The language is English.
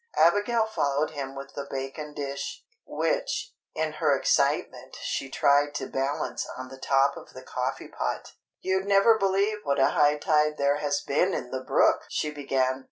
Abigail followed him with the bacon dish, which, in her excitement, she tried to balance on the top of the coffee pot. "You'd never believe what a high tide there has been in the brook!" she began.